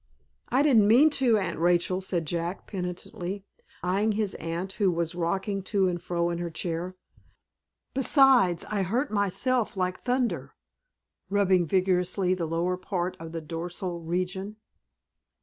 "I didn't mean to, Aunt Rachel," said Jack, penitently, eyeing his aunt, who was rocking to and fro in her chair. "Besides, I hurt myself like thunder," rubbing vigorously the lower part of the dorsal region.